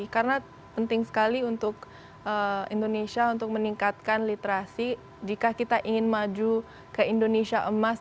karena penting sekali untuk indonesia untuk meningkatkan literasi jika kita ingin maju ke indonesia emas dua ribu empat puluh lima